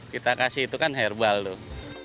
kita kasih itu kan herbal tuh